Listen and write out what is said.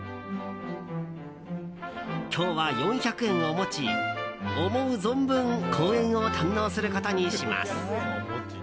今日は４００円を持ち、思う存分公園を堪能することにします。